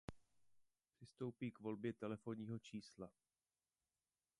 Přistoupí k volbě tel.č.